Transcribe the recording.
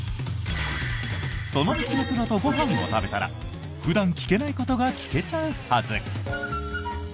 その道のプロとご飯を食べたら普段聞けないことが聞けちゃうはず！